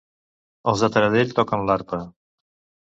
Els de Taradell toquen l'arpa.